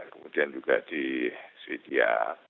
kemudian juga di sweden